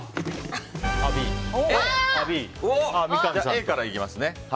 Ａからいきますね。